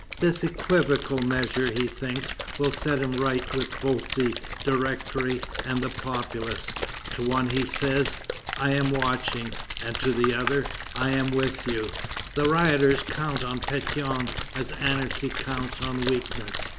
This equivocal measure, he thinks, will set him right with both the Directory and the populace. To one he says: "I am watching," and to the other, "I am with you." The rioters count on Pétion as anarchy counts on weakness.